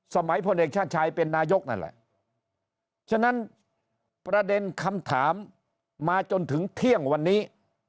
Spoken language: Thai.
พลเอกชาติชายเป็นนายกนั่นแหละฉะนั้นประเด็นคำถามมาจนถึงเที่ยงวันนี้